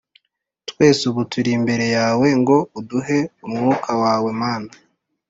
Twese ubu turi imbere yawe Ngo uduhe umwuka wawe Mana